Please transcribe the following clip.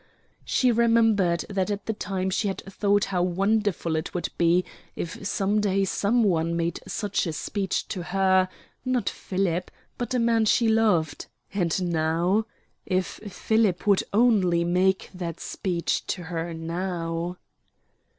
She remembered that at the time she had thought how wonderful it would be if some day some one made such a speech to her not Philip but a man she loved. And now? If Philip would only make that speech to her now!